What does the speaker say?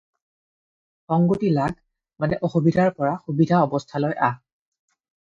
"সংগতি লাগ" মানে অসুবিধাৰ পৰা সুবিধা অৱস্থালৈ আহ্।